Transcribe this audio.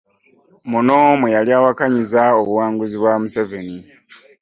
Muno mwe yali awakanyiza obuwanguzi bwa Museveni